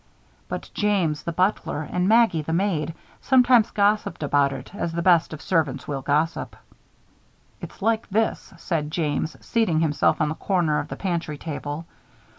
But James, the butler, and Maggie, the maid, sometimes gossiped about it, as the best of servants will gossip. "It's like this," said James, seating himself on the corner of the pantry table.